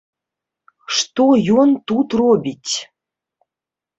Што ён тут робіць?